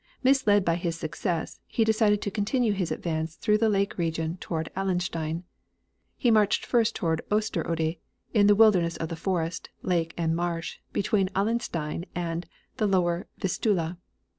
Misled by his success, he decided to continue his advance through the lake region toward Allenstein. He marched first toward Osterode, in the wilderness of forest, lake and marsh, between Allenstein and the Lower Vistula.